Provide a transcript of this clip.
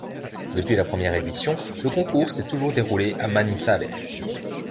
Depuis la première édition, le concours s'est toujours déroulé à Manizales.